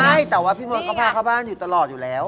ใช่แต่ว่าพี่มดก็พาเข้าบ้านอยู่ตลอดอยู่แล้ว